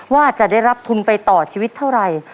ว่าจะได้รับทุนไปต่อชีวิตเท่าไหร่